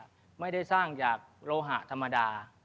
ไม่ได้สร้างจากโลหะธรรมดา